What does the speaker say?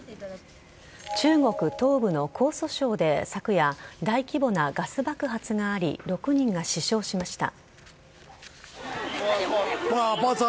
中国東部の江蘇省で昨夜大規模なガス爆発があり６人が死傷しました。